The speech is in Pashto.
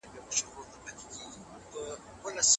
راتلونکي ته په ډاډه زړه ګام واخلئ.